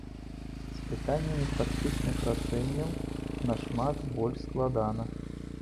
З пытаннямі практычных рашэнняў нашмат больш складана.